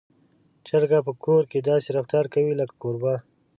چرګه په کور کې داسې رفتار کوي لکه کوربه.